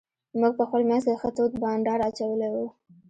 موږ په خپل منځ کې ښه تود بانډار اچولی وو.